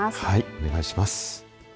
お願いします。